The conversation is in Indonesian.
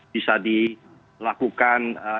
bisa dilakukan ee